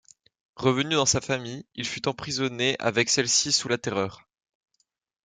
Revenu dans sa famille, il fut emprisonné avec celle-ci sous la Terreur.